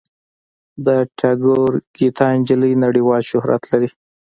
د ټاګور ګیتا نجلي نړیوال شهرت لري.